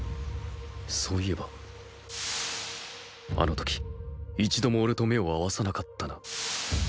そういえばあの時一度も俺と目を合わさなかったな